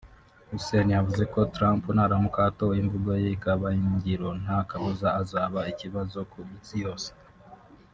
Hussein yavuze ko Trump naramuka atowe imvugo ye ikaba ingiro nta kabuza azaba ikibazo ku isi yose